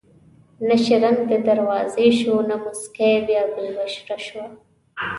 نه شرنګ د دروازې شو نه موسکۍ بیا ګل بشره شوه